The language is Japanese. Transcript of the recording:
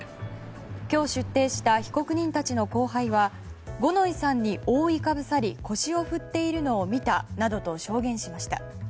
今日出廷した被告人たちの後輩は五ノ井さんに覆いかぶさり腰を振っているのを見たなどと証言しました。